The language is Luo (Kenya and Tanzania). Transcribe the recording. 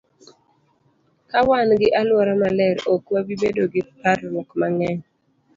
Ka wan gi alwora maler, ok wabi bedo gi par ruok mang'eny.